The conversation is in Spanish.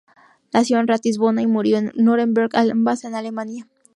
Nació en Ratisbona y murió en Nuremberg, ambas en Alemania.